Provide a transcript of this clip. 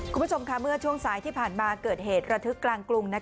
คุณผู้ชมค่ะเมื่อช่วงสายที่ผ่านมาเกิดเหตุระทึกกลางกรุง